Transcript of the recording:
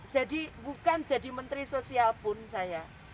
jadi bukan jadi menteri sosial pun saya